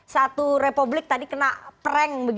satu republik tadi kena prank